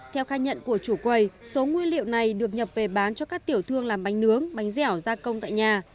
theo khai nhận của chủ quầy số nguyên liệu này được nhập về bán cho các tiểu thương làm bánh nướng bánh dẻo gia công tại nhà